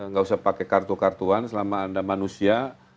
nggak usah pakai kartu kartuan selama anda manusia